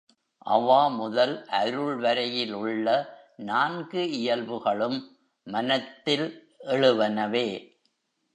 அவா முதல் அருள் வரையில் உள்ள நான்கு இயல்புகளும் மனத்தில் எழுவனவே.